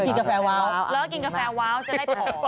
กาแฟว้าวแล้วก็กินกาแฟว้าวจะได้ผอม